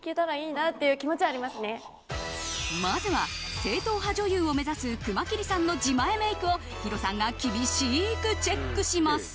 まずは正統派女優を目指す熊切さんの自前メイクをヒロさんが厳しくチェックします。